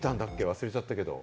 忘れちゃったけど。